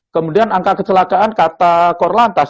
kemudian angka kecelakaan kata korlantas